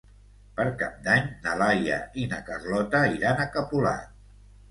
Per Cap d'Any na Laia i na Carlota iran a Capolat.